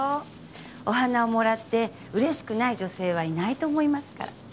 お花をもらって嬉しくない女性はいないと思いますから。